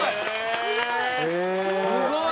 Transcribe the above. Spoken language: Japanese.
すごい！